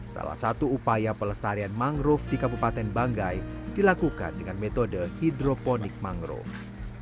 salah satu upaya pelestarian mangrove di kabupaten banggai dilakukan dengan metode hidroponik mangrove